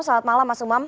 selamat malam mas umam